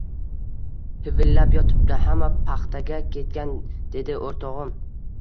huvillab yotibdi, hamma paxtaga ketgan», dedi o‘rtog‘im.